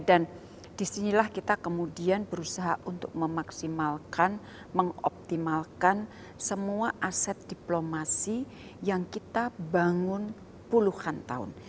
dan disinilah kita kemudian berusaha untuk memaksimalkan mengoptimalkan semua aset diplomasi yang kita bangun puluhan tahun